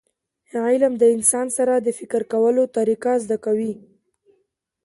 علم د انسان سره د فکر کولو طریقه زده کوي.